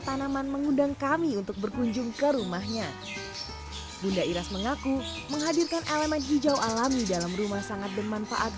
taman relaksasi untuk menjegah kejenuhan